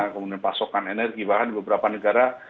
kemudian pasokan energi bahkan di beberapa negara